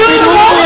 ngopi dulu ya